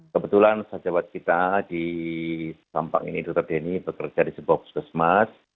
kebetulan sejawat kita di sampang ini dr denny bekerja di sebuah puskesmas